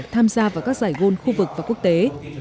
tham gia vào các giải gôn khu vực và quốc tế